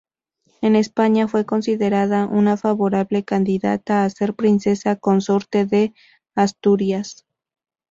En España fue considerada una favorable candidata a ser princesa consorte de Asturias.